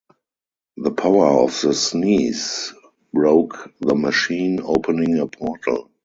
The power of the sneeze broke the machine, opening a portal.